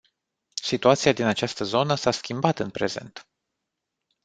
Situația din această zonă s-a schimbat în prezent.